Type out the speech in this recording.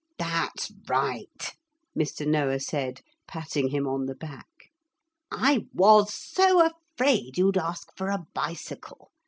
'That's right,' Mr. Noah said, patting him on the back. 'I was so afraid you'd ask for a bicycle.